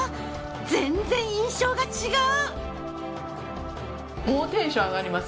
全然印象が違う！